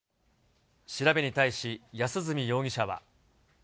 調べに対し、安栖容疑者は。